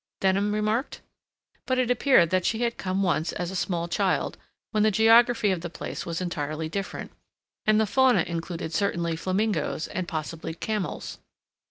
Denham remarked. But it appeared that she had come once as a small child, when the geography of the place was entirely different, and the fauna included certainly flamingoes and, possibly, camels.